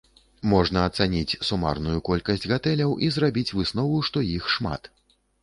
Можна ацаніць сумарную колькасць гатэляў і зрабіць выснову, што іх шмат.